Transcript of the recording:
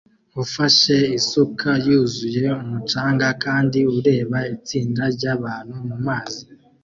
ufashe isuka yuzuye umucanga kandi ureba itsinda ryabantu mumazi